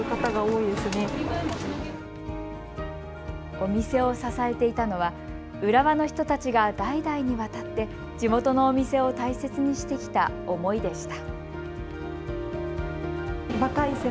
お店を支えていたのは浦和の人たちが代々にわたって地元のお店を大切にしてきた思いでした。